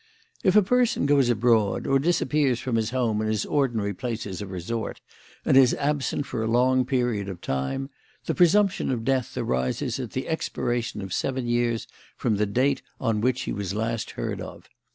"If a person goes abroad or disappears from his home and his ordinary places of resort and is absent for a long period of time, the presumption of death arises at the expiration of seven years from the date on which he was last heard of.